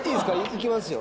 いきますよ。